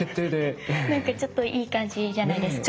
なんかちょっといい感じじゃないですか？